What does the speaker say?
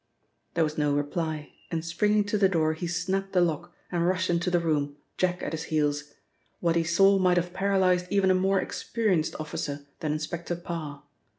There was no reply and springing to the door he snapped the lock, and rushed into the room, Jack at his heels. What he saw might have paralysed even a more experienced officer than Inspector Parr.